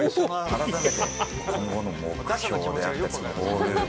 改めて今後の目標であったり、ゴールは。